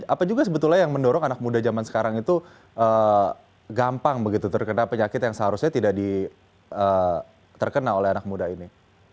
apa juga sebetulnya yang mendorong anak muda zaman sekarang itu gampang begitu terkena penyakit yang seharusnya tidak terkena oleh anak muda ini